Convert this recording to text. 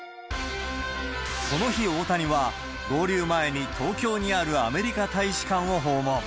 この日、大谷は合流前に、東京にあるアメリカ大使館を訪問。